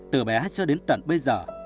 từ bé chưa đến tận bây giờ